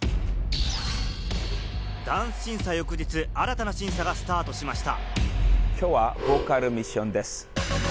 ダンス審査の翌日、新たな審査がスタートしました。